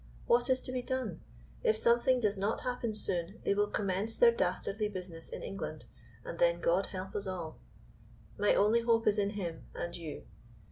What is to be done? If something does not happen soon, they will commence their dastardly business in England, and then God help us all. My only hope is in Him and you.